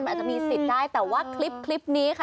มันอาจจะมีสิทธิ์ได้แต่ว่าคลิปนี้ค่ะ